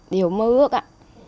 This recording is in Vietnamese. điều mơ ước ạ